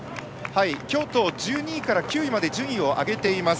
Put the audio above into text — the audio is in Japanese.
京都は１２位から９位まで順位を上げています。